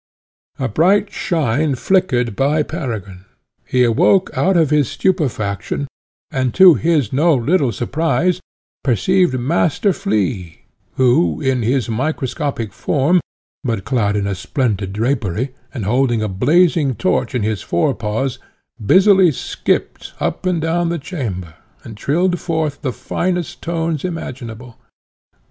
_" A bright shine flickered by Peregrine; he awoke out of his stupefaction, and, to his no little surprise, perceived Master Flea, who, in his microscopic form, but clad in a splendid drapery, and holding a blazing torch in his forepaws, busily skipped, up and down the chamber, and trilled forth the finest tones imaginable.